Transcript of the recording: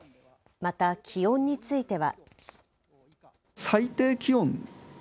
また気温については。